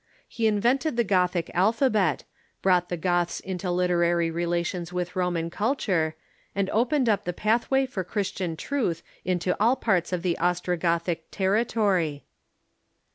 He invented the Gothic alphabet, brought the Goths into literary relations with Roman culture, and opened up the path Avay for Christian truth into all parts of the Ostrogothic terri tory.